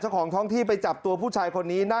ของท้องที่ไปจับตัวผู้ชายคนนี้